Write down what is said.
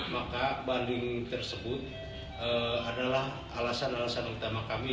maka banding tersebut adalah alasan alasan utama kami